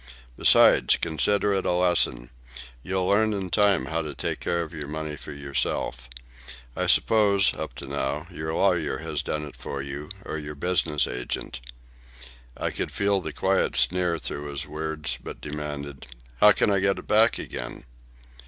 Besides, consider it a lesson. You'll learn in time how to take care of your money for yourself. I suppose, up to now, your lawyer has done it for you, or your business agent." I could feel the quiet sneer through his words, but demanded, "How can I get it back again?"